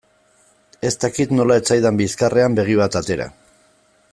Ez dakit nola ez zaidan bizkarrean begi bat atera.